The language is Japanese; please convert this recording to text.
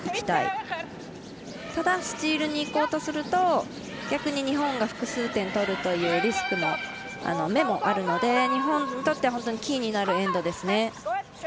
ただ、スチールにいこうとすると逆に日本が複数点取るというリスクの目もあるので日本としては、本当にキーになるエンドですね。